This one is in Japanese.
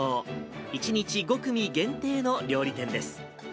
１日５組限定の料理店です。